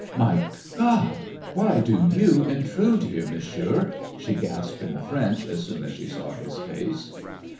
'"My God! Why do you intrude here, Monsieur?" she gasped in French as soon as she saw his face.